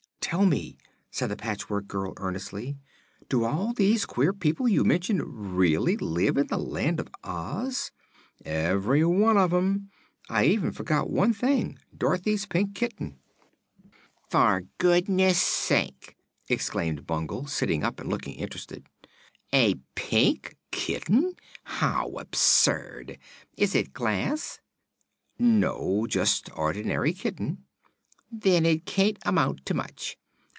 "Tell me," said the Patchwork Girl earnestly, "do all those queer people you mention really live in the Land of Oz?" "Every one of 'em. I even forgot one thing: Dorothy's Pink Kitten." "For goodness sake!" exclaimed Bungle, sitting up and looking interested. "A Pink Kitten? How absurd! Is it glass?" "No; just ordinary kitten." "Then it can't amount to much.